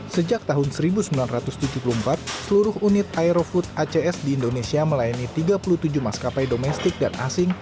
sejak tahun seribu sembilan ratus tujuh puluh empat seluruh unit aerofood acs di indonesia melayani tiga puluh tujuh maskapai domestik dan asing